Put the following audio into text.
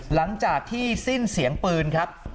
หลังจากที่สิ้นเสียงปืนครับ